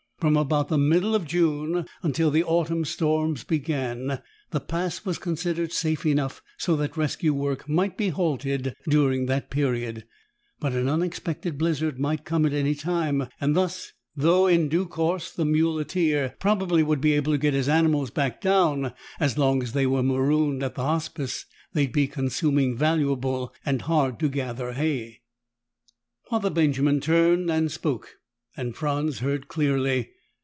From about the middle of June until the autumn storms began, the Pass was considered safe enough so that rescue work might be halted during that period, but an unexpected blizzard might come any time. Thus, though in due course the muleteer probably would be able to get his animals back down, as long as they were marooned at the Hospice they'd be consuming valuable and hard to gather hay. Father Benjamin turned and spoke, and Franz heard clearly.